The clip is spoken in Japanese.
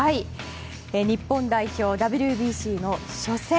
日本代表、ＷＢＣの初戦。